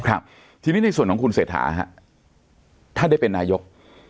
ครับทีนี้ในส่วนของคุณเศรษฐาฮะถ้าได้เป็นนายก